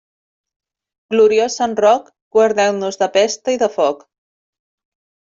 Gloriós Sant Roc, guardeu-nos de pesta i de foc.